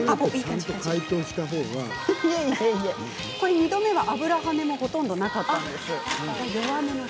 ２度目は油跳ねもほとんどなかったんです。